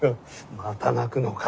また泣くのか。